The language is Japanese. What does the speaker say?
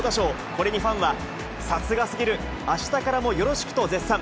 これにファンは、さすがすぎる、あしたからもよろしくと絶賛。